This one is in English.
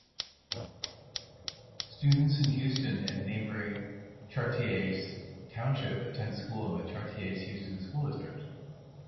Students in Houston and neighboring Chartiers Township attend school in the Chartiers-Houston School District.